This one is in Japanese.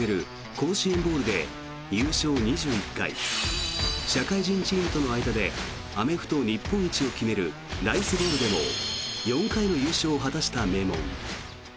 甲子園ボウルで優勝２１回社会人チームとの間でアメフト日本一を決めるライスボウルでも４回の優勝を果たした名門。